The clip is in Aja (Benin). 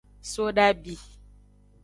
Sodabi.